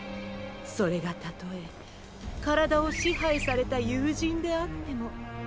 それがたとえ体を支配された友人であっても。